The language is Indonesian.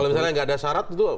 kalau misalnya nggak ada syarat itu